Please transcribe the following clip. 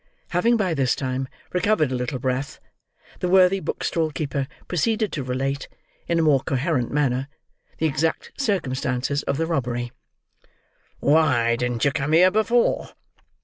Having by this time recovered a little breath, the worthy book stall keeper proceeded to relate, in a more coherent manner the exact circumstances of the robbery. "Why didn't you come here before?"